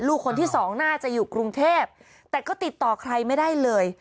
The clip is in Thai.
ลูกคนที่สองน่าจะอยู่กรุงเทพแต่ก็ติดต่อใครไม่ได้เลย